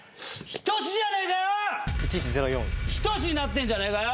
「ヒトシ」になってんじゃねぇかよ。